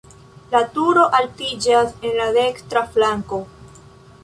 La turo altiĝas en la dekstra flanko.